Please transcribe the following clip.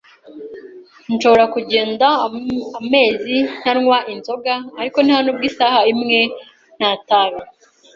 Nshobora kugenda amezi ntanywa inzoga, ariko ntanubwo isaha imwe nta itabi.